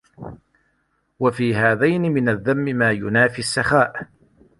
وَفِي هَذَيْنِ مِنْ الذَّمِّ مَا يُنَافِي السَّخَاءَ